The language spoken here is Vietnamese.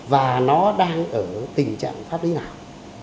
và nó đang ở tình trạng pháp lý nào